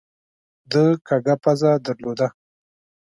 ده کږه پزه درلوده.